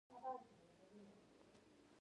آیا امان الله خان د خپلواکۍ اتل نه دی؟